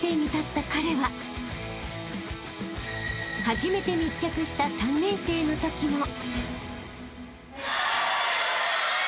［初めて密着した３年生のときも］